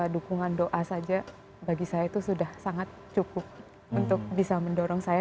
dukungan doa saja bagi saya itu sudah sangat cukup untuk bisa mendorong saya